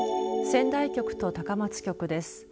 仙台局と高松局です。